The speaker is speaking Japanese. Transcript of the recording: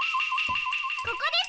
ここです。